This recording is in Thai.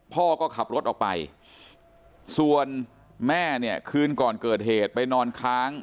พ่อก็ขับรถออกไปส่วนแม่เนี่ยคืนก่อนเกิดเหตุไปนอนค้าง